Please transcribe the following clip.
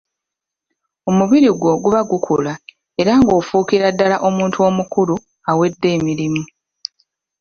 Omubiri gwo guba gukula era ng'ofuukira ddala omuntu omukulu awedde emirimu.